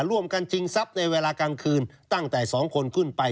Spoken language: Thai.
ร่วมกันชิงทรัพย์ในเวลากลางคืนตั้งแต่๒คนขึ้นไป